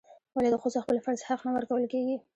ولې د ښځو خپل فرض حق نه ورکول کیږي؟